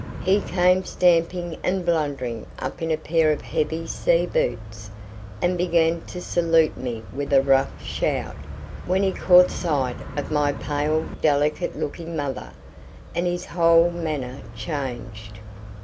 He came stamping and blundering up in a pair of heavy sea boots, and began to salute me with a rough shout, when he caught sight of my pale delicate looking mother, and his whole manner changed.